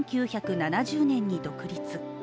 １９７０年に独立。